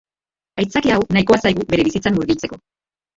Aitzakia hau nahikoa zaigu bere bizitzan murgiltzeko.